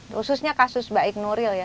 khususnya kasus baik nuril